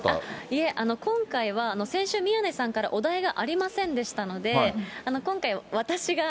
いえ、今回は先週、宮根さんからお題がありませんでしたので、今回、私が。